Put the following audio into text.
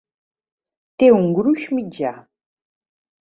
Té un gruix mitjà.